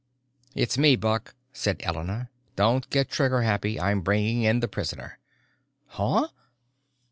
"It's me, Buck," cried Elena. "Don't get trigger happy. I'm bringing in the prisoner." "Huh?"